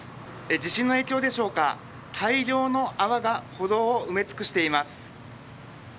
地震の影響でしょうか、大量の泡が歩道を埋め尽くしています。